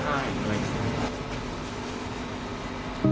ล้อมไห้อะไรอย่างนี้